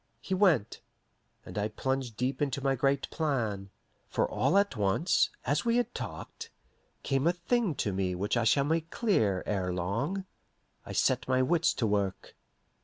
He went, and I plunged deep into my great plan; for all at once, as we had talked, came a thing to me which I shall make clear ere long. I set my wits to work.